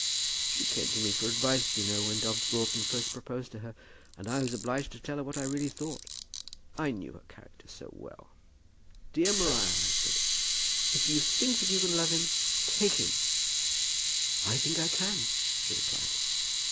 She came to me for advice, you know, when Dobbs Broughton first proposed to her; and I was obliged to tell her what I really thought. I knew her character so well! 'Dear Maria,' I said, 'if you think that you can love him, take him!' 'I think I can,' she replied.